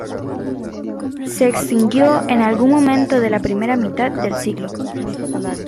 Se extinguió en algún momento de la primera mitad del siglo.